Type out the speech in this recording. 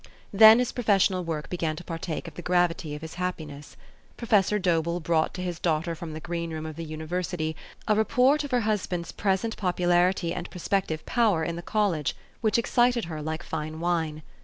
Then his professional work began to partake of the gravity of his happiness. Professor Dobell brought to his daughter from the green room of the university a report of her husband's present popularity and pro spective power in the college, which excited her like fine wine.